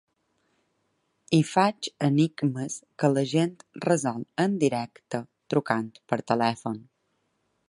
Hi faig enigmes que la gent resol en directe trucant per telèfon.